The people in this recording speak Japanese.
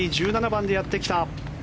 １７番でやってきた。